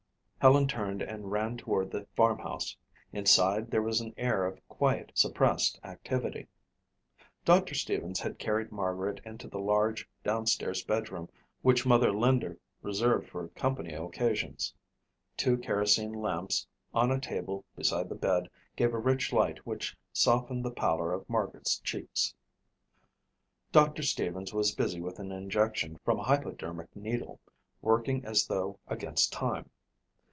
Helen turned and ran toward the farmhouse. Inside there was an air of quiet, suppressed activity. Doctor Stevens had carried Margaret into the large downstairs bedroom which Mother Linder reserved for company occasions. Two kerosene lamps on a table beside the bed gave a rich light which softened the pallor of Margaret's cheeks. Doctor Stevens was busy with an injection from a hypodermic needle, working as though against time.